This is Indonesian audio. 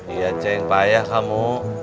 iya ceng payah kamu